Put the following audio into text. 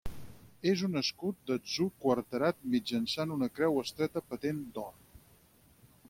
És un escut d'atzur quarterat mitjançant una creu estreta patent d'or.